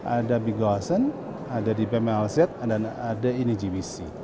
ada big gosen ada dmlz dan ada ini gbc